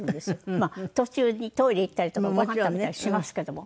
まあ途中にトイレ行ったりとかご飯食べたりしますけども。